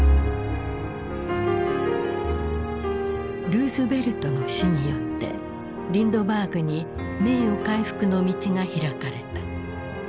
ルーズベルトの死によってリンドバーグに名誉回復の道が開かれた。